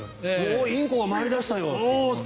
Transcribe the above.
インコが回り始めたよって。